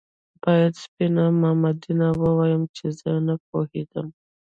باید سپينه مامدينه ووايم چې زه نه پوهېدم